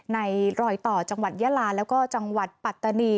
ในรอยต่อจังหวัดเยอะละแล้วก็ปัตตนี